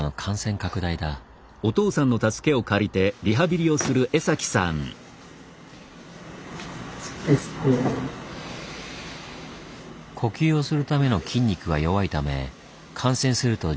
呼吸をするための筋肉が弱いため感染すると重症化するおそれがある。